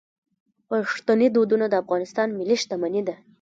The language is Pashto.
پښتني دودونه د افغانستان ملي شتمني ده.